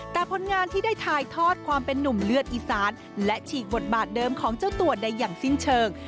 แต่ผลงานที่ได้ถ่ายทอดความเป็นนุ่มเลือดอีสานและฉีกบทบาทเดิมของเจ้าตัวได้อย่างสิ้นเชิง